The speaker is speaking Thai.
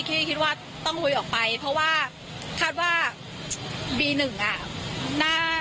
ที่คิดว่าต้องลุยออกไปเพราะว่าคาดว่าบีหนึ่งอ่ะน่า